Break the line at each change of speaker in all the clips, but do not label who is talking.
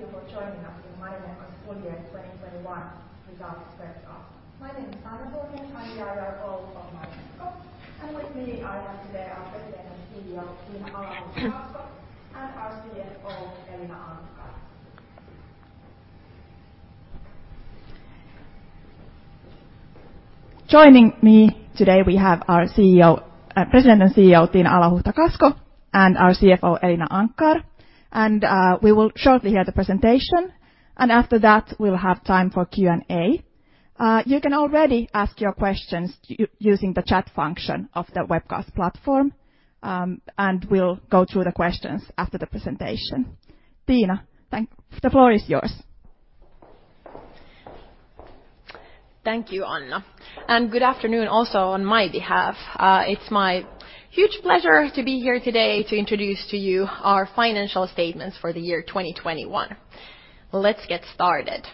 Thank you for joining us in Marimekko's full year 2021 results webcast. My name is Anna Tuominen. I'm the [DIR] of Marimekko. With me today are President and CEO Tiina Alahuhta-Kasko and our CFO Elina Anckar. We will shortly hear the presentation, and after that we'll have time for Q&A. You can already ask your questions using the chat function of the webcast platform, and we'll go through the questions after the presentation. Tiina, the floor is yours.
Thank you, Anna, and good afternoon also on my behalf. It's my huge pleasure to be here today to introduce to you our financial statements for the year 2021. Let's get started.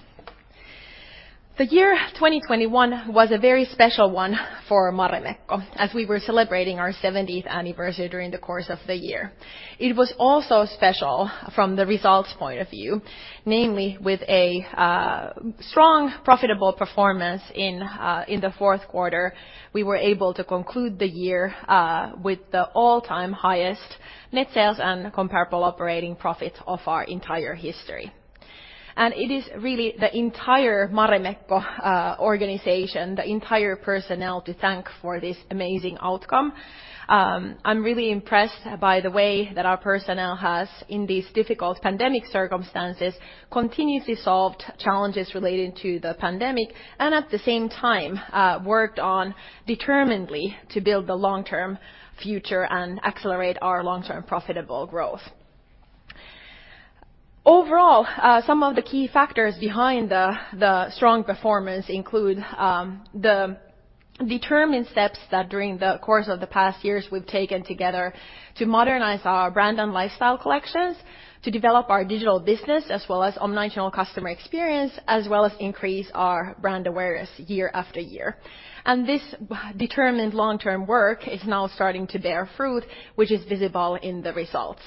The year 2021 was a very special one for Marimekko, as we were celebrating our 70th anniversary during the course of the year. It was also special from the results point of view, namely with a strong profitable performance in the fourth quarter, we were able to conclude the year with the all-time highest net sales and comparable operating profit of our entire history. It is really the entire Marimekko organization, the entire personnel to thank for this amazing outcome. I'm really impressed by the way that our personnel has, in these difficult pandemic circumstances, continuously solved challenges relating to the pandemic and at the same time, worked on determinedly to build the long-term future and accelerate our long-term profitable growth. Overall, some of the key factors behind the strong performance include the determined steps that during the course of the past years we've taken together to modernize our brand and lifestyle collections, to develop our digital business, as well as omnichannel customer experience, as well as increase our brand awareness year after year. This determined long-term work is now starting to bear fruit, which is visible in the results.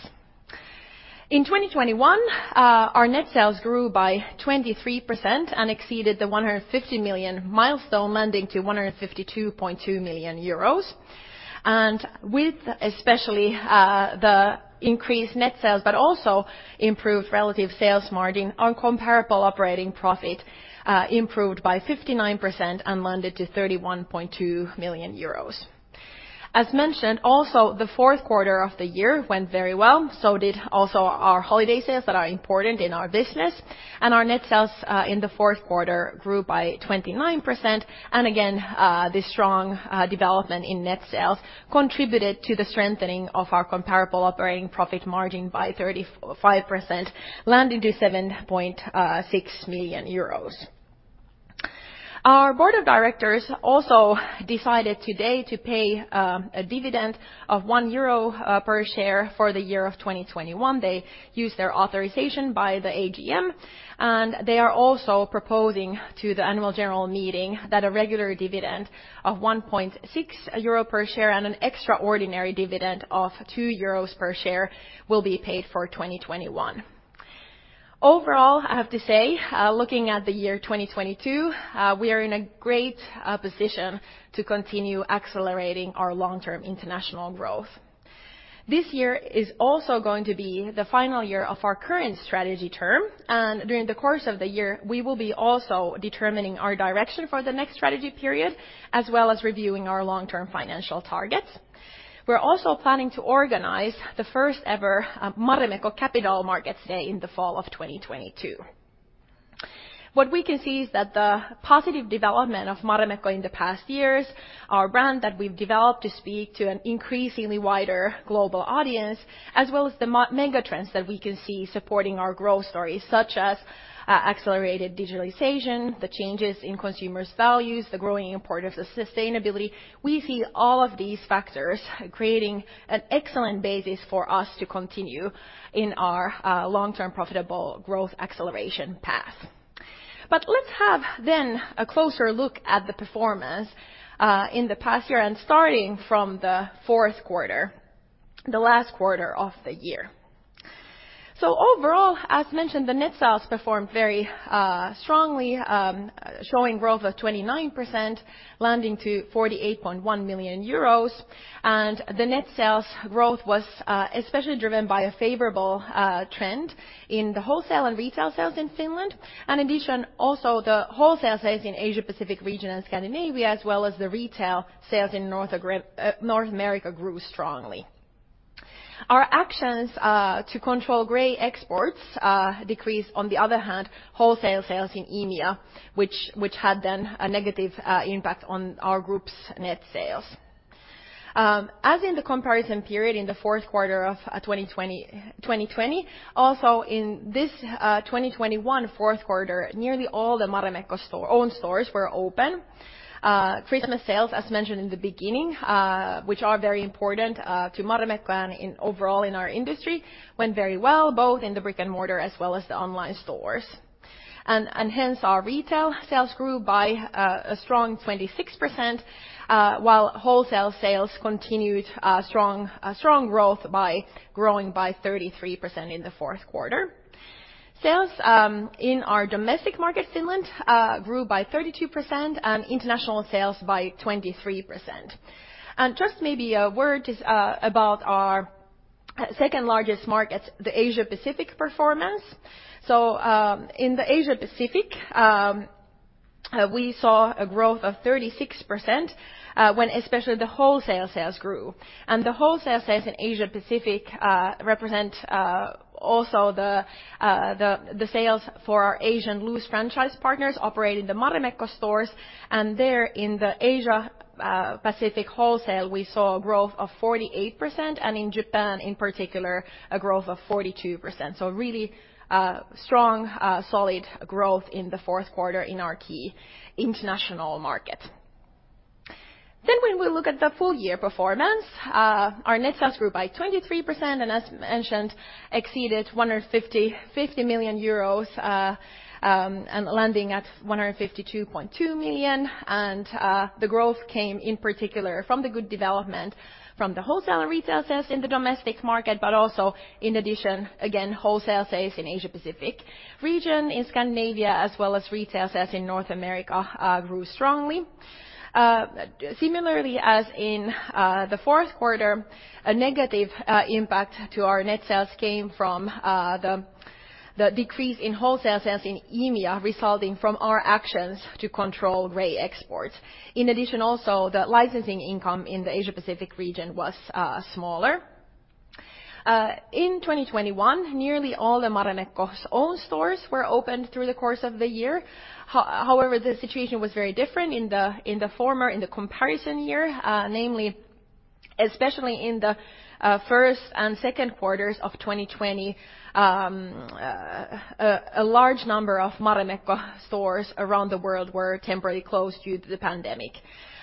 In 2021, our net sales grew by 23% and exceeded the 150 million milestone, landing at 152.2 million euros. With especially the increased net sales, but also improved relative sales margin, our comparable operating profit improved by 59% and landed to 31.2 million euros. As mentioned, also the fourth quarter of the year went very well, so did also our holiday sales that are important in our business. Our net sales in the fourth quarter grew by 29% and again this strong development in net sales contributed to the strengthening of our comparable operating profit margin by 35%, landing to 7.6 million euros. Our board of directors also decided today to pay a dividend of 1 euro per share for the year of 2021. They used their authorization by the AGM, and they are also proposing to the annual general meeting that a regular dividend of 1.6 euro per share and an extraordinary dividend of 2 euros per share will be paid for 2021. Overall, I have to say, looking at the year 2022, we are in a great position to continue accelerating our long-term international growth. This year is also going to be the final year of our current strategy term, and during the course of the year we will be also determining our direction for the next strategy period, as well as reviewing our long-term financial targets. We're also planning to organize the first ever Marimekko Capital Markets Day in the fall of 2022. What we can see is that the positive development of Marimekko in the past years, our brand that we've developed to speak to an increasingly wider global audience, as well as the mega trends that we can see supporting our growth story, such as accelerated digitalization, the changes in consumers' values, the growing importance of sustainability. We see all of these factors creating an excellent basis for us to continue in our long-term profitable growth acceleration path. Let's have then a closer look at the performance in the past year and starting from the fourth quarter, the last quarter of the year. Overall, as mentioned, the net sales performed very strongly, showing growth of 29%, landing to 48.1 million euros. The net sales growth was especially driven by a favorable trend in the wholesale and retail sales in Finland. In addition, also the wholesale sales in Asia Pacific region and Scandinavia, as well as the retail sales in North America grew strongly. Our actions to control gray exports decreased, on the other hand, wholesale sales in EMEA, which had then a negative impact on our group's net sales. As in the comparison period in the fourth quarter of 2020, also in this 2021 fourth quarter, nearly all the Marimekko owned stores were open. Christmas sales, as mentioned in the beginning, which are very important to Marimekko and in overall in our industry, went very well, both in the brick and mortar as well as the online stores. Hence our retail sales grew by a strong 26%, while wholesale sales continued strong growth by growing by 33% in the fourth quarter. Sales in our domestic market, Finland, grew by 32%, and international sales by 23%. Just maybe a word about our second-largest markets, the Asia Pacific performance. In the Asia Pacific, we saw a growth of 36%, when especially the wholesale sales grew. The wholesale sales in Asia Pacific represent also the sales for our Asian loose franchise partners operating the Marimekko stores. There in the Asia Pacific wholesale, we saw a growth of 48%, and in Japan in particular, a growth of 42%. Really strong solid growth in the fourth quarter in our key international market. When we look at the full year performance, our net sales grew by 23%, and as mentioned, exceeded 150 million euros, and landing at 152.2 million. The growth came in particular from the good development from the wholesale retail sales in the domestic market, but also in addition, again, wholesale sales in Asia Pacific region, in Scandinavia, as well as retail sales in North America, grew strongly. Similarly as in the fourth quarter, a negative impact to our net sales came from the decrease in wholesale sales in EMEA resulting from our actions to control gray exports. In addition also, the licensing income in the Asia Pacific region was smaller. In 2021, nearly all the Marimekko's own stores were opened through the course of the year. However, the situation was very different in the comparison year, namely especially in the first and second quarters of 2020, a large number of Marimekko stores around the world were temporarily closed due to the pandemic.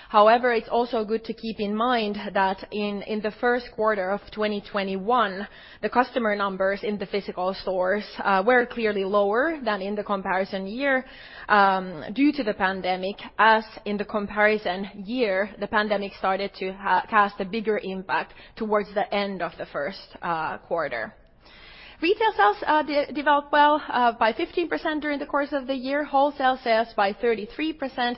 However, it's also good to keep in mind that in the first quarter of 2021, the customer numbers in the physical stores were clearly lower than in the comparison year due to the pandemic, as in the comparison year, the pandemic started to cast a bigger impact towards the end of the first quarter. Retail sales developed well by 15% during the course of the year, wholesale sales by 33%.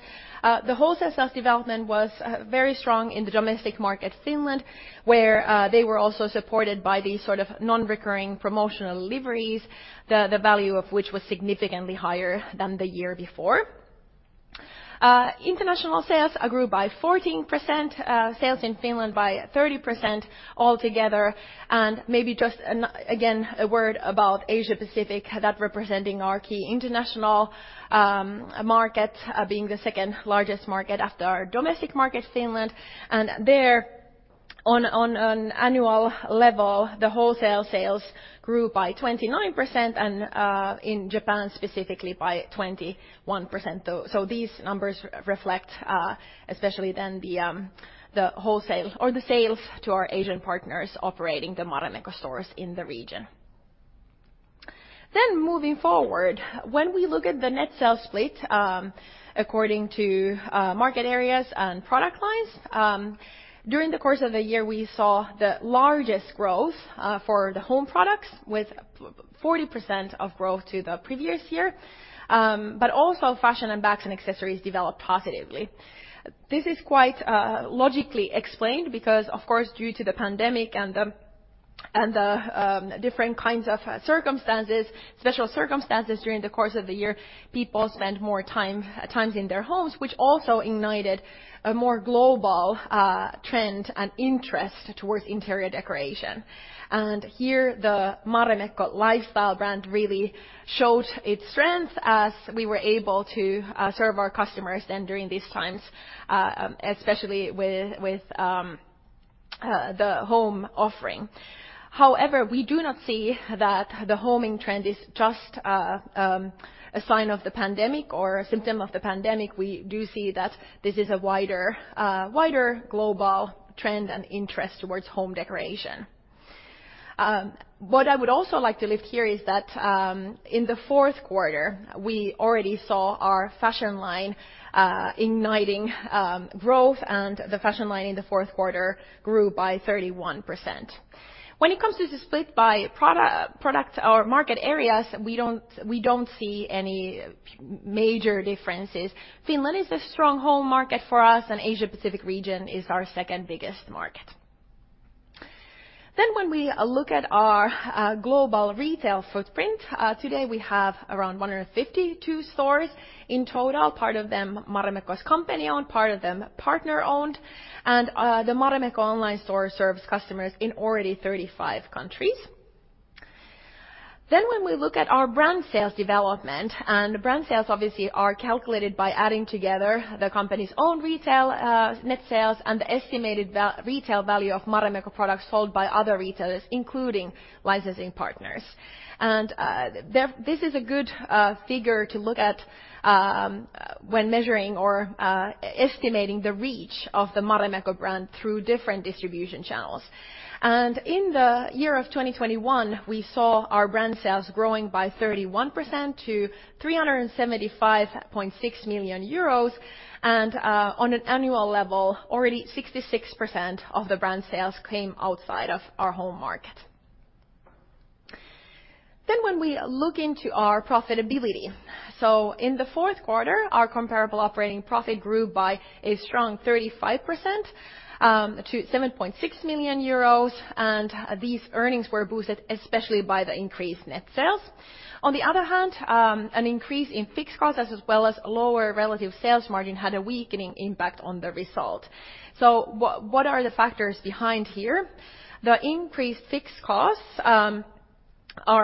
The wholesale sales development was very strong in the domestic market, Finland, where they were also supported by these sort of non-recurring promotional deliveries, the value of which was significantly higher than the year before. International sales grew by 14%, sales in Finland by 30% altogether. Maybe just again, a word about Asia Pacific, that representing our key international market, being the second-largest market after our domestic market, Finland. There on an annual level, the wholesale sales grew by 29% and in Japan specifically by 21%. These numbers reflect especially then the wholesale or the sales to our Asian partners operating the Marimekko stores in the region. Moving forward, when we look at the net sales split according to market areas and product lines, during the course of the year, we saw the largest growth for the home products with 40% growth to the previous year, but also fashion and bags and accessories developed positively. This is quite logically explained because of course, due to the pandemic and the different kinds of circumstances, special circumstances during the course of the year, people spent more time in their homes, which also ignited a more global trend and interest toward interior decoration. Here, the Marimekko lifestyle brand really showed its strength as we were able to serve our customers then during these times, especially with the home offering. However, we do not see that the homing trend is just a sign of the pandemic or a symptom of the pandemic. We do see that this is a wider global trend and interest towards home decoration. What I would also like to lift here is that in the fourth quarter, we already saw our fashion line igniting growth, and the fashion line in the fourth quarter grew by 31%. When it comes to the split by products or market areas, we don't see any major differences. Finland is a strong home market for us, and Asia-Pacific region is our second-biggest market. When we look at our global retail footprint, today we have around 152 stores in total. Part of them Marimekko's company-owned, part of them partner-owned. The Marimekko online store serves customers in already 35 countries. When we look at our brand sales development, brand sales obviously are calculated by adding together the company's own retail net sales and the estimated retail value of Marimekko products sold by other retailers, including licensing partners. This is a good figure to look at when measuring or estimating the reach of the Marimekko brand through different distribution channels. In the year of 2021, we saw our brand sales growing by 31% to 375.6 million euros. On an annual level, already 66% of the brand sales came outside of our home market. When we look into our profitability, in the fourth quarter, our comparable operating profit grew by a strong 35%, to 7.6 million euros, and these earnings were boosted especially by the increased net sales. On the other hand, an increase in fixed costs as well as lower relative sales margin had a weakening impact on the result. What are the factors behind here? The increased fixed costs are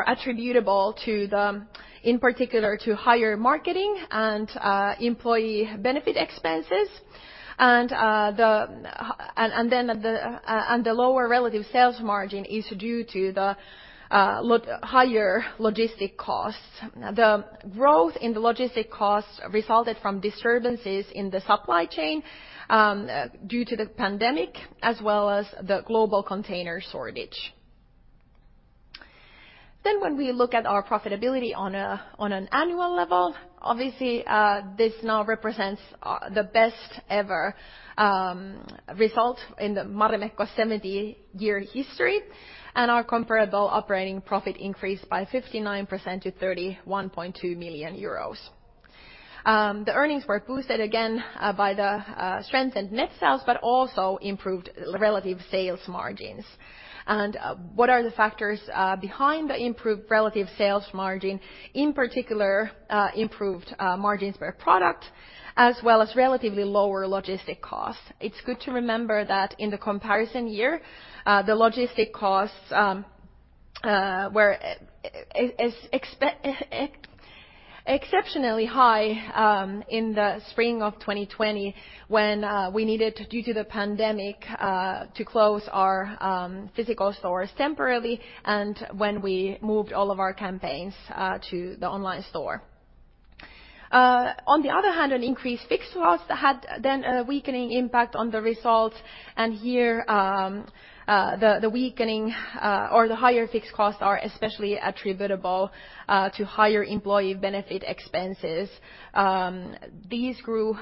attributable, in particular, to higher marketing and employee benefit expenses, and the lower relative sales margin is due to the higher logistics costs. The growth in the logistics costs resulted from disturbances in the supply chain, due to the pandemic, as well as the global container shortage. When we look at our profitability on an annual level, obviously, this now represents the best ever result in the Marimekko 70-year history, and our comparable operating profit increased by 59% to 31.2 million euros. The earnings were boosted again by the strength in net sales but also improved relative sales margins. What are the factors behind the improved relative sales margin, in particular, improved margins per product as well as relatively lower logistics costs? It's good to remember that in the comparison year, the logistics costs were exceptionally high in the spring of 2020 when we needed to close our physical stores temporarily due to the pandemic and when we moved all of our campaigns to the online store. On the other hand, an increased fixed costs had then a weakening impact on the results, and here, the weakening or the higher fixed costs are especially attributable to higher employee benefit expenses. These grew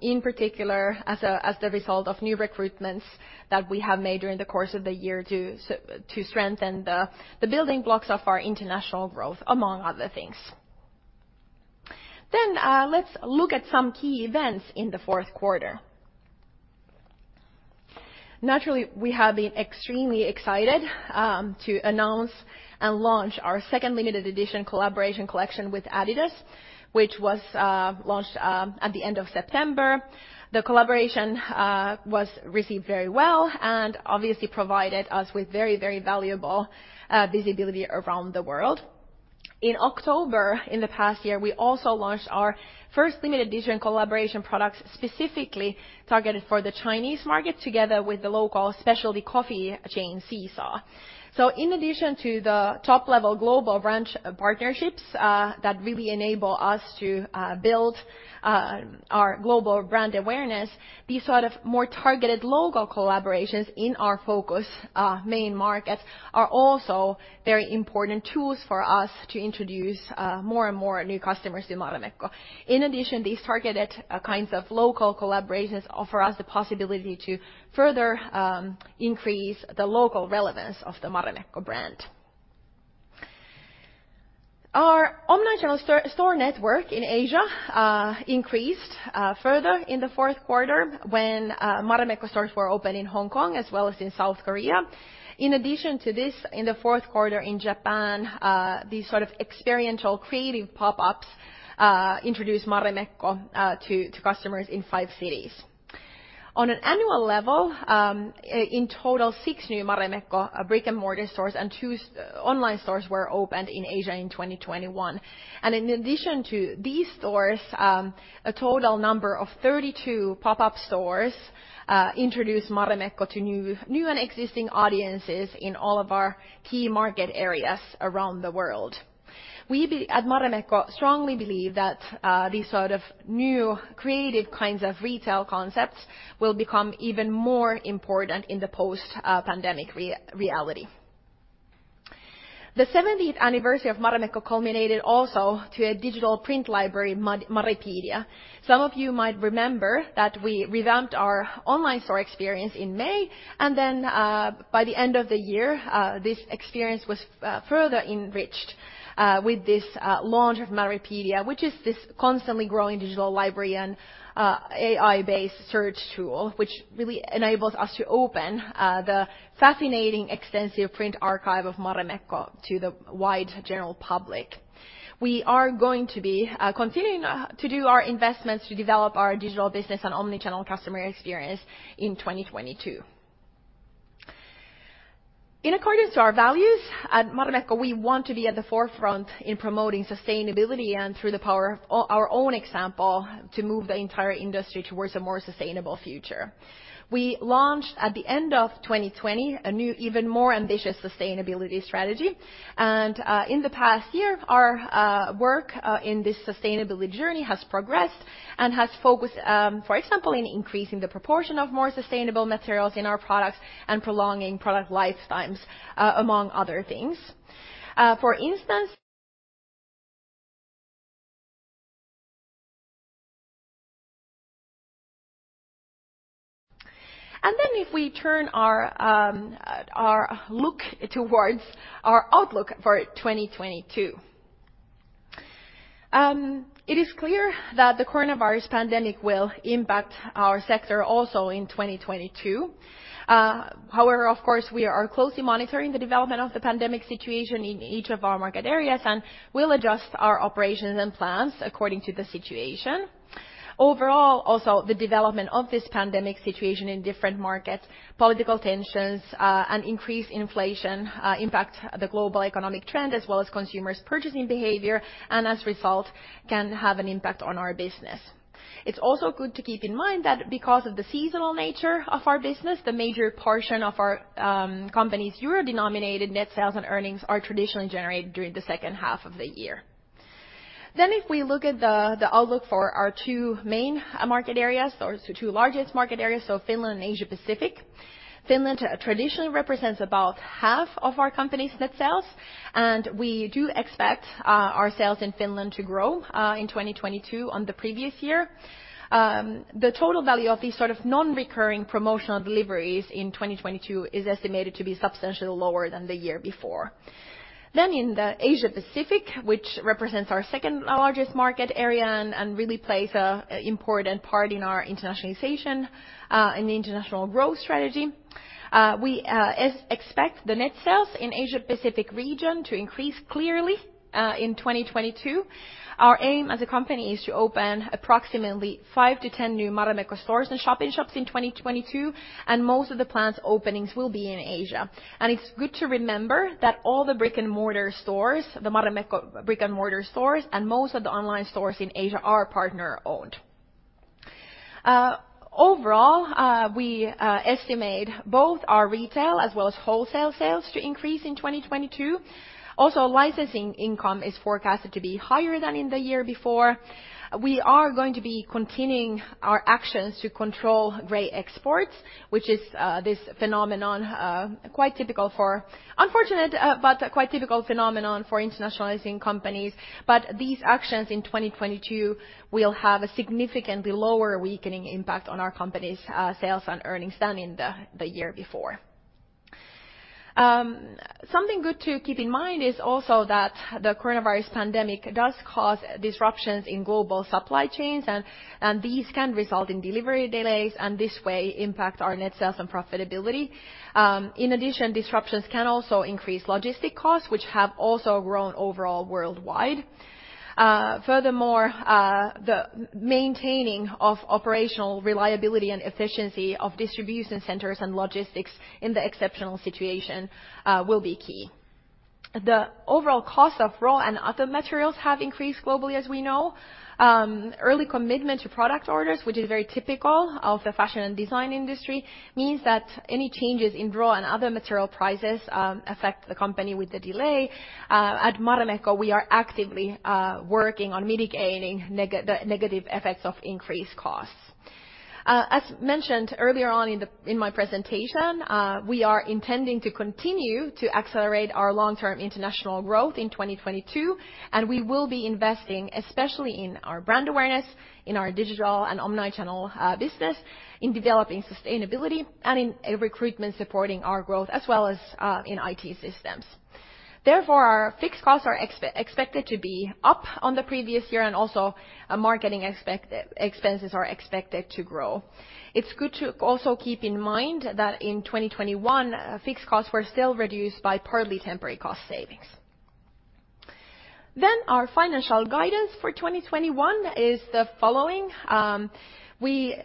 in particular as the result of new recruitments that we have made during the course of the year to strengthen the building blocks of our international growth, among other things. Let's look at some key events in the fourth quarter. Naturally, we have been extremely excited to announce and launch our second limited edition collaboration collection with Adidas, which was launched at the end of September. The collaboration was received very well and obviously provided us with very, very valuable visibility around the world. In October, in the past year, we also launched our first limited edition collaboration products specifically targeted for the Chinese market together with the local specialty coffee chain Seesaw. In addition to the top-level global brand partnerships that really enable us to build our global brand awareness, these sort of more targeted local collaborations in our focus main markets are also very important tools for us to introduce more and more new customers to Marimekko. In addition, these targeted kinds of local collaborations offer us the possibility to further increase the local relevance of the Marimekko brand. Our omnichannel store network in Asia increased further in the fourth quarter when Marimekko stores were opened in Hong Kong as well as in South Korea. In addition to this, in the fourth quarter in Japan, these sort of experiential creative pop-ups introduced Marimekko to customers in five cities. On an annual level, in total, six new Marimekko brick-and-mortar stores and two online stores were opened in Asia in 2021. In addition to these stores, a total number of 32 pop-up stores introduced Marimekko to new and existing audiences in all of our key market areas around the world. We at Marimekko strongly believe that these sort of new creative kinds of retail concepts will become even more important in the post-pandemic reality. The seventieth anniversary of Marimekko culminated also to a digital print library, Maripedia. Some of you might remember that we revamped our online store experience in May, and then by the end of the year this experience was further enriched with this launch of Maripedia, which is this constantly growing digital library and AI-based search tool, which really enables us to open the fascinating extensive print archive of Marimekko to the wide general public. We are going to be continuing to do our investments to develop our digital business and omnichannel customer experience in 2022. In accordance to our values, at Marimekko, we want to be at the forefront in promoting sustainability and through the power of our own example, to move the entire industry towards a more sustainable future. We launched, at the end of 2020, a new even more ambitious sustainability strategy. In the past year, our work in this sustainability journey has progressed and has focused, for example, in increasing the proportion of more sustainable materials in our products and prolonging product lifetimes, among other things. For instance. If we turn our look towards our outlook for 2022. It is clear that the coronavirus pandemic will impact our sector also in 2022. However, of course, we are closely monitoring the development of the pandemic situation in each of our market areas, and we'll adjust our operations and plans according to the situation. Overall, also the development of this pandemic situation in different markets, political tensions, and increased inflation, impact the global economic trend as well as consumers' purchasing behavior, and as a result, can have an impact on our business. It's also good to keep in mind that because of the seasonal nature of our business, the major portion of our company's EUR-denominated net sales and earnings are traditionally generated during the second half of the year. If we look at the outlook for our two main market areas, or two largest market areas, so Finland and Asia-Pacific. Finland traditionally represents about half of our company's net sales, and we do expect our sales in Finland to grow in 2022 on the previous year. The total value of these sort of non-recurring promotional deliveries in 2022 is estimated to be substantially lower than the year before. In the Asia-Pacific, which represents our second largest market area and really plays an important part in our internationalization and international growth strategy, we expect the net sales in Asia-Pacific region to increase clearly in 2022. Our aim as a company is to open approximately 5-10 new Marimekko stores and shop-in-shops in 2022, and most of the planned openings will be in Asia. It's good to remember that all the brick-and-mortar stores, the Marimekko brick-and-mortar stores, and most of the online stores in Asia are partner owned. Overall, we estimate both our retail as well as wholesale sales to increase in 2022. Also, licensing income is forecasted to be higher than in the year before. We are going to be continuing our actions to control gray exports, which is this phenomenon, unfortunate but a quite typical phenomenon for internationalizing companies. These actions in 2022 will have a significantly lower weakening impact on our company's sales and earnings than in the year before. Something good to keep in mind is also that the coronavirus pandemic does cause disruptions in global supply chains and these can result in delivery delays and this way impact our net sales and profitability. In addition, disruptions can also increase logistics costs, which have also grown overall worldwide. Furthermore, the maintaining of operational reliability and efficiency of distribution centers and logistics in the exceptional situation will be key. The overall cost of raw and other materials have increased globally, as we know. Early commitment to product orders, which is very typical of the fashion and design industry, means that any changes in raw and other material prices affect the company with a delay. At Marimekko, we are actively working on mitigating the negative effects of increased costs. As mentioned earlier on in my presentation, we are intending to continue to accelerate our long-term international growth in 2022, and we will be investing especially in our brand awareness, in our digital and omnichannel business, in developing sustainability, and in a recruitment supporting our growth as well as in IT systems. Therefore, our fixed costs are expected to be up on the previous year, and also marketing expenses are expected to grow. It's good to also keep in mind that in 2021, fixed costs were still reduced by partly temporary cost savings. Our financial guidance for 2021 is the following. We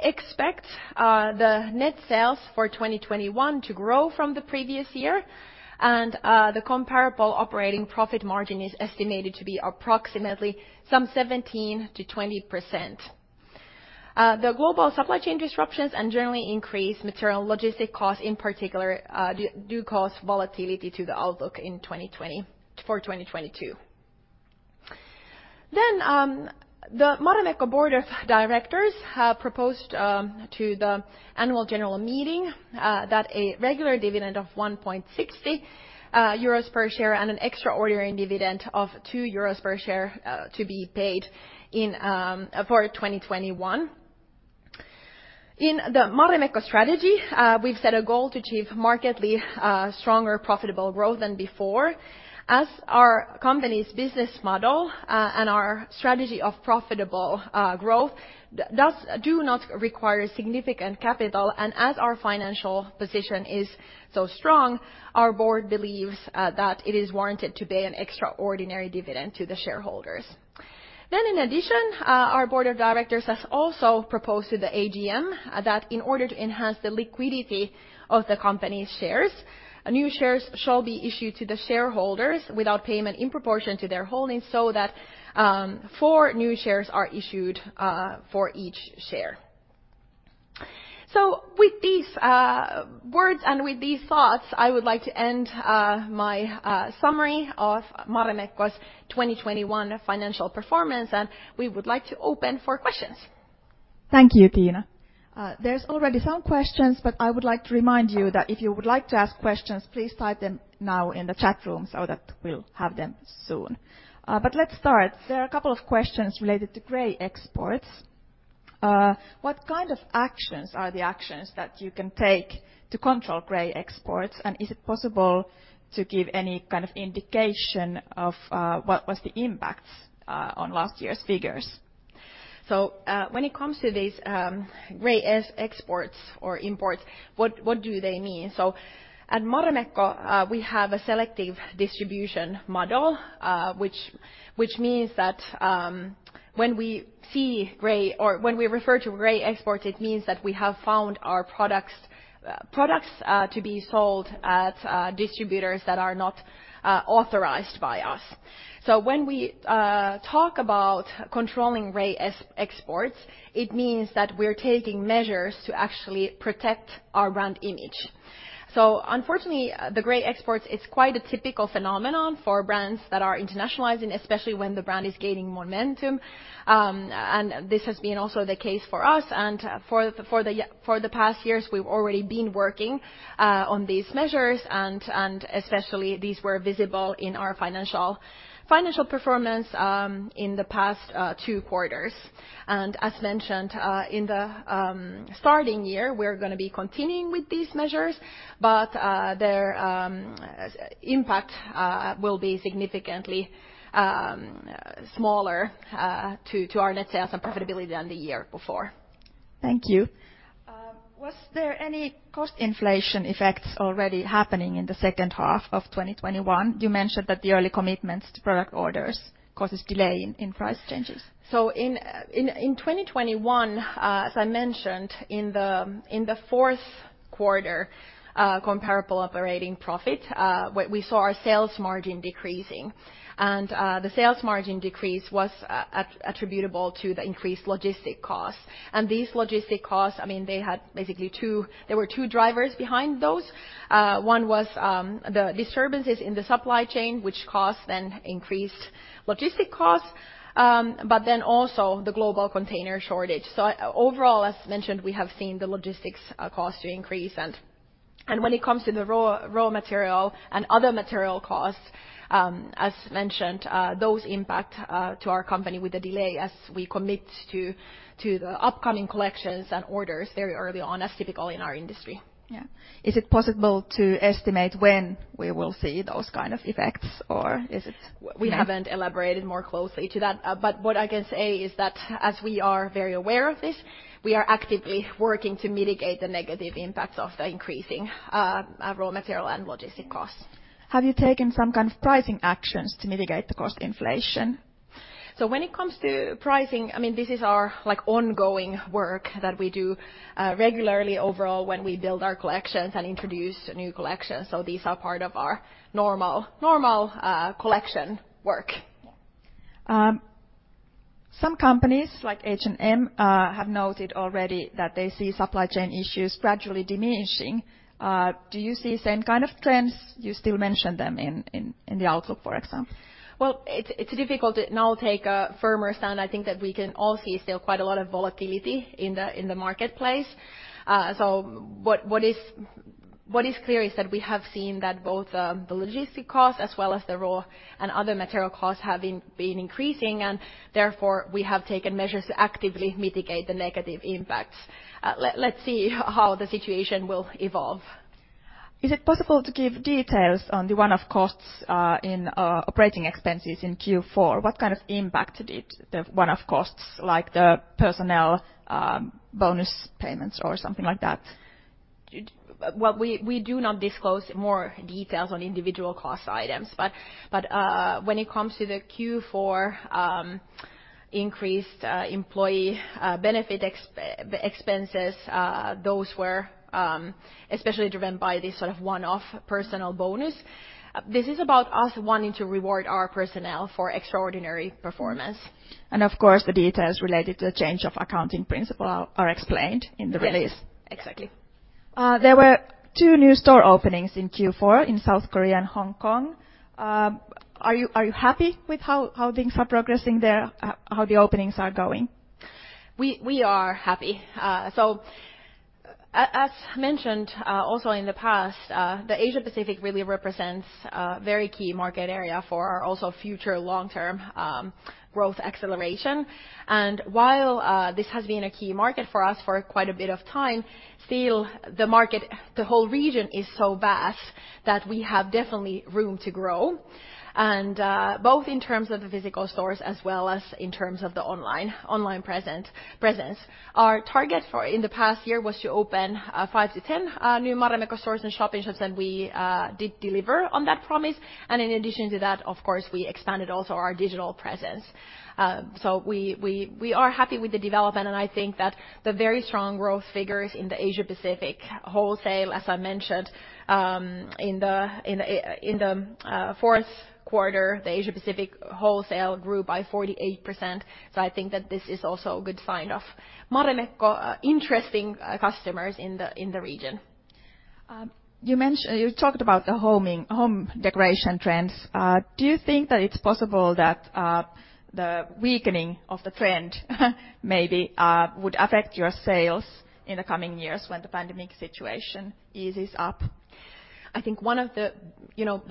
expect the net sales for 2021 to grow from the previous year, and the comparable operating profit margin is estimated to be approximately some 17%-20%. The global supply chain disruptions and generally increased material logistic costs in particular do cause volatility to the outlook in 2020 for 2022. The Marimekko Board of Directors have proposed to the annual general meeting that a regular dividend of 1.60 euros per share and an extraordinary dividend of 2 euros per share to be paid in for 2021. In the Marimekko strategy, we've set a goal to achieve markedly stronger profitable growth than before. As our company's business model and our strategy of profitable growth do not require significant capital and as our financial position is so strong, our board believes that it is warranted to pay an extraordinary dividend to the shareholders. In addition, our board of directors has also proposed to the AGM that in order to enhance the liquidity of the company's shares, new shares shall be issued to the shareholders without payment in proportion to their holdings so that four new shares are issued for each share. With these words and with these thoughts, I would like to end my summary of Marimekko's 2021 financial performance, and we would like to open for questions.
Thank you, Tiina. There's already some questions, but I would like to remind you that if you would like to ask questions, please type them now in the chat room so that we'll have them soon. Let's start. There are a couple of questions related to gray exports. What kind of actions that you can take to control gray exports? Is it possible to give any kind of indication of what was the impacts on last year's figures?
When it comes to these gray exports or imports, what do they mean? At Marimekko, we have a selective distribution model, which means that when we see gray exports or when we refer to gray exports, it means that we have found our products to be sold at distributors that are not authorized by us. When we talk about controlling gray exports, it means that we're taking measures to actually protect our brand image. Unfortunately, the gray exports, it's quite a typical phenomenon for brands that are internationalizing, especially when the brand is gaining momentum. This has been also the case for us. For the past years, we've already been working on these measures and especially these were visible in our financial performance in the past two quarters. As mentioned, in the starting year, we're gonna be continuing with these measures, but their impact will be significantly smaller to our net sales and profitability than the year before.
Thank you. Was there any cost inflation effects already happening in the second half of 2021? You mentioned that the early commitments to product orders causes delay in price changes.
In 2021, as I mentioned, in the fourth quarter, comparable operating profit, we saw our sales margin decreasing. The sales margin decrease was attributable to the increased logistics costs. These logistics costs, I mean, there were two drivers behind those. One was the disturbances in the supply chain, which caused the increased logistics costs, but also the global container shortage. Overall, as mentioned, we have seen the logistics costs increase. When it comes to the raw material and other material costs, as mentioned, those impact to our company with the delay as we commit to the upcoming collections and orders very early on, as typical in our industry.
Yeah. Is it possible to estimate when we will see those kind of effects? Or is it, you know?
We haven't elaborated more closely to that. What I can say is that as we are very aware of this, we are actively working to mitigate the negative impacts of the increasing raw material and logistics costs.
Have you taken some kind of pricing actions to mitigate the cost inflation?
When it comes to pricing, I mean, this is our, like, ongoing work that we do regularly overall when we build our collections and introduce new collections. These are part of our normal collection work.
Some companies like H&M have noted already that they see supply chain issues gradually diminishing. Do you see the same kind of trends? You still mention them in the outlook, for example.
Well, it's difficult to now take a firmer stand. I think that we can all see still quite a lot of volatility in the marketplace. What is clear is that we have seen that both the logistics costs as well as the raw and other material costs have been increasing, and therefore we have taken measures to actively mitigate the negative impacts. Let's see how the situation will evolve.
Is it possible to give details on the one-off costs in operating expenses in Q4? What kind of impact did it, the one-off costs, like the personnel bonus payments or something like that?
Well, we do not disclose more details on individual cost items. When it comes to the Q4 increased employee benefit expenses, those were especially driven by this sort of one-off personnel bonus. This is about us wanting to reward our personnel for extraordinary performance.
Of course, the details related to the change of accounting principle are explained in the release.
Yes, exactly.
There were two new store openings in Q4 in South Korea and Hong Kong. Are you happy with how things are progressing there, how the openings are going?
We are happy. As mentioned, also in the past, the Asia-Pacific really represents a very key market area for our future long-term growth acceleration. While this has been a key market for us for quite a bit of time, still the market, the whole region is so vast that we have definitely room to grow, and both in terms of the physical stores as well as in terms of the online presence. Our target for the past year was to open five to 10 new Marimekko stores and shop-in-shops, and we did deliver on that promise. In addition to that, of course, we expanded also our digital presence. We are happy with the development, and I think that the very strong growth figures in the Asia-Pacific wholesale, as I mentioned, in the fourth quarter, the Asia-Pacific wholesale grew by 48%. I think that this is also a good sign of Marimekko attracting customers in the region.
You talked about the home decoration trends. Do you think that it's possible that the weakening of the trend maybe would affect your sales in the coming years when the pandemic situation eases up?
I think one of the, you know,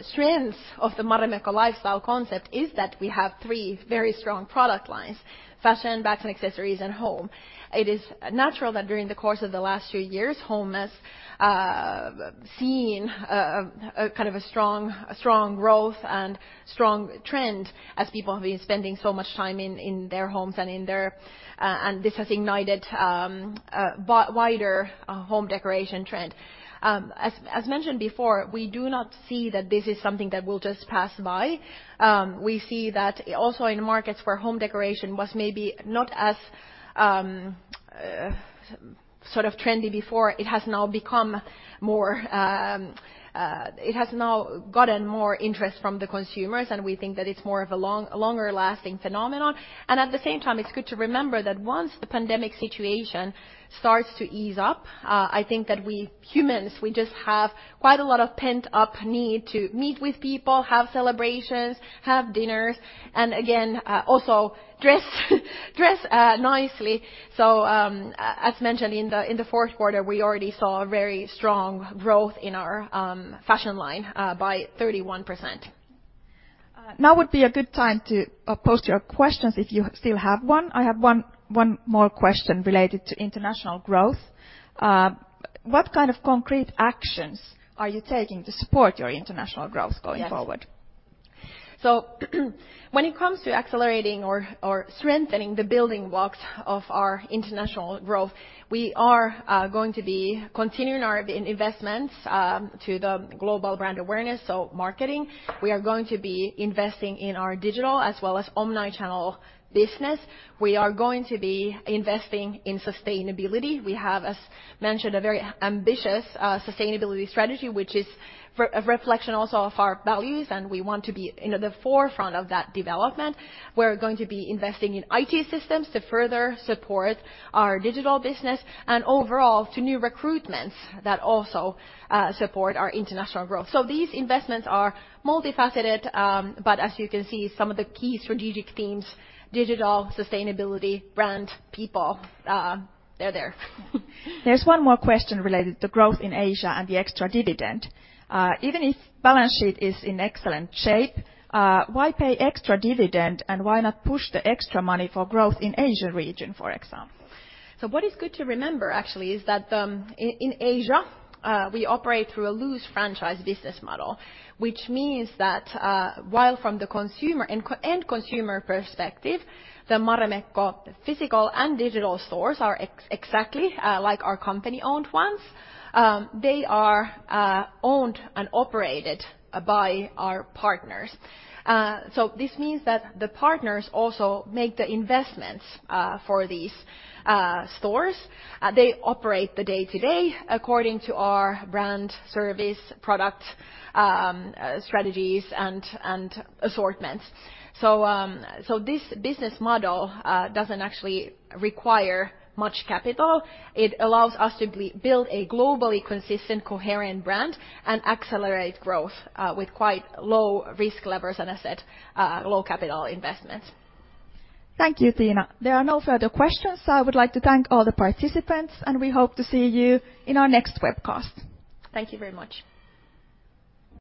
strength of the Marimekko lifestyle concept is that we have three very strong product lines, fashion, bags and accessories, and home. It is natural that during the course of the last few years, home has seen kind of a strong growth and strong trend as people have been spending so much time in their homes. This has ignited a wider home decoration trend. As mentioned before, we do not see that this is something that will just pass by. We see that also in markets where home decoration was maybe not as sort of trendy before, it has now become more. It has now gotten more interest from the consumers, and we think that it's more of a longer-lasting phenomenon. At the same time, it's good to remember that once the pandemic situation starts to ease up, I think that we humans, we just have quite a lot of pent-up need to meet with people, have celebrations, have dinners, and again, also dress nicely. As mentioned in the fourth quarter, we already saw a very strong growth in our fashion line by 31%.
Now would be a good time to pose your questions if you still have one. I have one more question related to international growth. What kind of concrete actions are you taking to support your international growth going forward?
Yes. When it comes to accelerating or strengthening the building blocks of our international growth, we are going to be continuing our investments to the global brand awareness, so marketing. We are going to be investing in our digital as well as omni-channel business. We are going to be investing in sustainability. We have, as mentioned, a very ambitious sustainability strategy which is a reflection also of our values, and we want to be, you know, the forefront of that development. We're going to be investing in IT systems to further support our digital business and overall to new recruitments that also support our international growth. These investments are multifaceted, but as you can see, some of the key strategic themes, digital, sustainability, brand, people, they're there.
There's one more question related to growth in Asia and the extra dividend. Even if balance sheet is in excellent shape, why pay extra dividend, and why not push the extra money for growth in Asia region, for example?
What is good to remember actually is that in Asia we operate through a loose franchise business model, which means that while from the consumer and end-consumer perspective the Marimekko physical and digital stores are exactly like our company-owned ones, they are owned and operated by our partners. This means that the partners also make the investments for these stores. They operate the day-to-day according to our brand, service, product strategies and assortments. This business model doesn't actually require much capital. It allows us to build a globally consistent, coherent brand and accelerate growth with quite low risk levels and asset-light, low capital investments.
Thank you, Tiina. There are no further questions. I would like to thank all the participants, and we hope to see you in our next webcast.
Thank you very much.